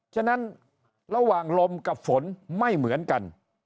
ฉะนั้นระหว่างลมกับฝนไม่เหมือนกัน